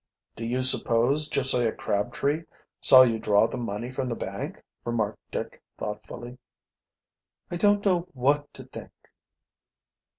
"Do you suppose Josiah Crabtree saw you draw the money from the bank?" remarked Dick thoughtfully. "I don't know what to think."